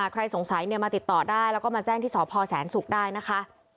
ใครสงสัยมาติดต่อได้แล้วก็มาแจ้งที่สพแสนศุกร์ได้นะคะ